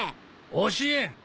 教えん！